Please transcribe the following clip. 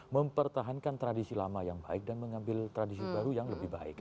mempertahankan tradisi lama yang baik dan mengambil tradisi baru yang lebih baik